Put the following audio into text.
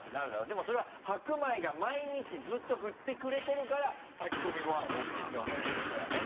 でもそれは白米が毎日ずっと振ってくれてるから炊き込みご飯おいしいって思うってことだね？